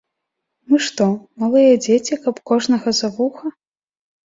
Мы што, малыя дзеці, каб кожнага за вуха?